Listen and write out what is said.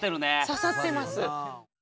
刺さってます。